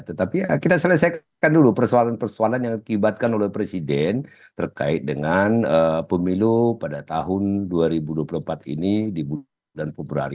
tetapi ya kita selesaikan dulu persoalan persoalan yang kibatkan oleh presiden terkait dengan pemilu pada tahun dua ribu dua puluh empat ini di bulan februari